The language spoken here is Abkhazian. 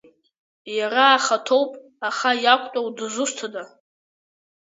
Иара ахаҭоуп, аха иақәтәоу дызусҭада?